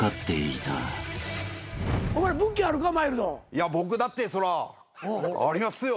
いや僕だってそらありますよ。